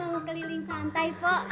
mau keliling santai pok